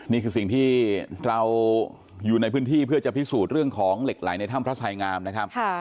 นี่คือสิ่งที่เราอยู่ในพื้นที่เพื่อจะพิสูจน์เรื่องของเหล็กไหลในถ้ำพระสายงามนะครับ